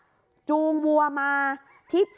พอหลังจากเกิดเหตุแล้วเจ้าหน้าที่ต้องไปพยายามเกลี้ยกล่อม